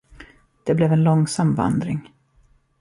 Det blev en långsam vandring.